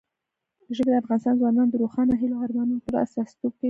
ژبې د افغان ځوانانو د روښانه هیلو او ارمانونو پوره استازیتوب کوي.